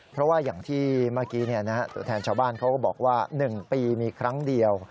เพราะว่าอย่างที่เมื่อกี้ตัวแทนชาวบ้านเขาก็บอกว่า๑ปีมีครั้งเดียว